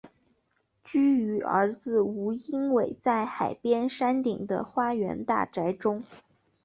居于儿子吴英伟在海边山顶的花园大宅中。